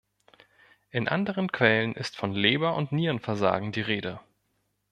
In anderen Quellen ist von Leber- und Nierenversagen die Rede.